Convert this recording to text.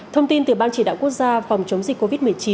thông tin từ ban chỉ đạo quốc gia phòng chống dịch covid một mươi chín